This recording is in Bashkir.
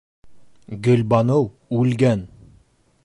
Гөлбаныу үлгән!!!